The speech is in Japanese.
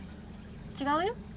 違うよ